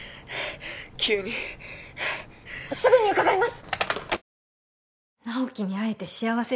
☎急にすぐに伺います！